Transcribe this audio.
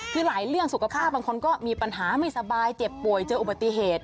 คือหลายเรื่องสุขภาพบางคนก็มีปัญหาไม่สบายเจ็บป่วยเจออุบัติเหตุ